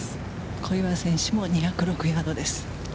小祝選手も２０６ヤードです。